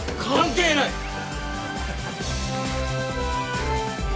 関係ない！